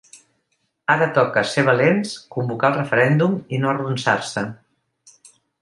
Ara toca ser valents, convocar el referèndum i no arronsar-se.